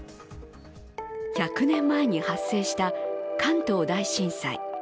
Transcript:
１００年前に発生した関東大震災。